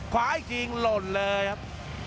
ขวานี่จริงหล่นเลยครับ